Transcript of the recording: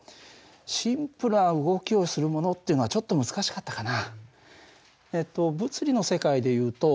シンプルな動きをするものっていうのはちょっと難しかったかな。